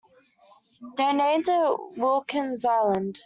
They named it Wilkins Island.